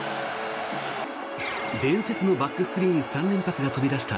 伝説のバックスクリーン３連発が飛び出した